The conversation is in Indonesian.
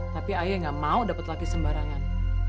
tapi aie gak mau dapet laki sembarangan